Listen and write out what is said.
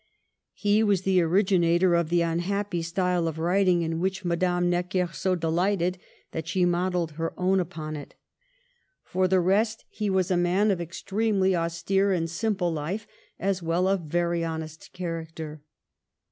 He was the originator of the unhappy style of writing in Digitized by VjOOQLC / GERMAINE. 17 which Madame Necker so delighted that she modelled her own upon it. For the rest, he was a man of extremely austere and simple life, as well as of very honest character.